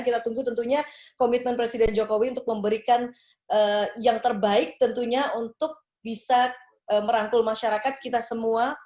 kita tunggu tentunya komitmen presiden jokowi untuk memberikan yang terbaik tentunya untuk bisa merangkul masyarakat kita semua